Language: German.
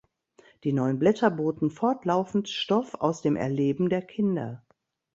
Die neuen Blätter boten fortlaufend Stoff aus dem Erleben der Kinder.